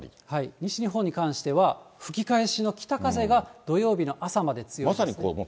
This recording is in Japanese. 西日本に関しては、吹き返しの北風が土曜日の朝まで強い。